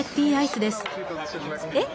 えっ？